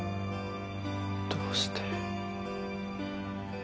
どうして。